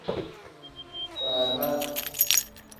Faaba.